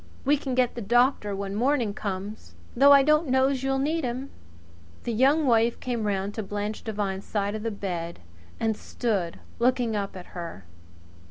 We can get the doctor when morning comes though I don't know's you'll need him." The Young Wife came round to Blanche Devine's side of the bed and stood looking up at her.